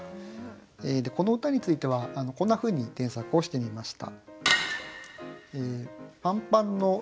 この歌についてはこんなふうに添削をしてみました。